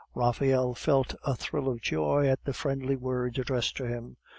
Raphael felt a thrill of joy at the friendly words addressed to him.